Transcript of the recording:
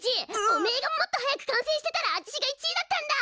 おめえがもっと早く完成してたらあちしが１位だったんだ！